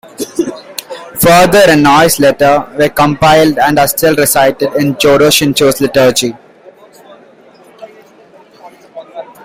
Further, Rennyo's letters were compiled and are still recited in Jodo Shinshu liturgy.